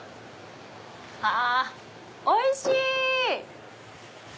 あおいしい！